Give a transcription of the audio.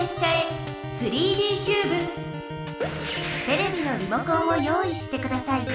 テレビのリモコンを用意してください。